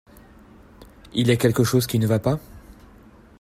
Il y a quelque chose qui ne va pas ?